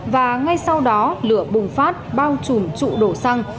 và ngay sau đó lửa bùng phát bao trùm trụ đổ xăng